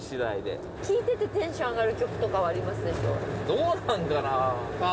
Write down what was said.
どうなんかなぁ。